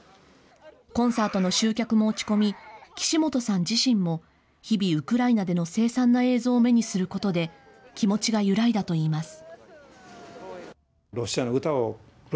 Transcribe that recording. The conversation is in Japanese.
コンサートの集客も落ち込み、岸本さん自身も日々、ウクライナでの凄惨な映像を目にすることで、気持ちが揺らいだといいます。